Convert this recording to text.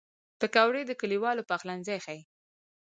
پکورې د کلیوالو پخلنځی ښيي